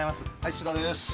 土田です。